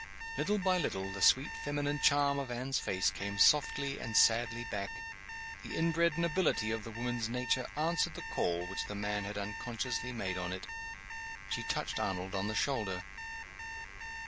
Little by little, the sweet feminine charm of Anne's face came softly and sadly back. The inbred nobility of the woman's nature answered the call which the man had unconsciously made on it. She touched Arnold on the shoulder.